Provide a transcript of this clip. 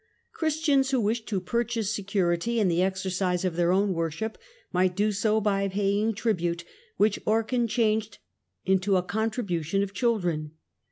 Christians who wished to purchase security and the exercise of their own worship, might do so by paying tribute, which Orchan changed into a contribution of children.